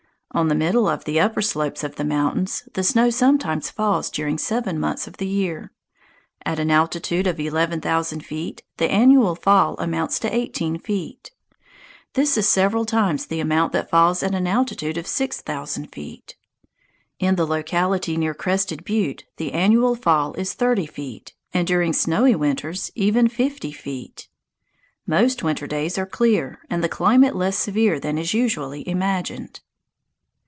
On the middle of the upper slopes of the mountains the snow sometimes falls during seven months of the year. At an altitude of eleven thousand feet the annual fall amounts to eighteen feet. This is several times the amount that falls at an altitude of six thousand feet. In a locality near Crested Butte the annual fall is thirty feet, and during snowy winters even fifty feet. Most winter days are clear, and the climate less severe than is usually imagined.